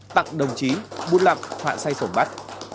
tặng đồng chí bung lặn phạ say sổm bắt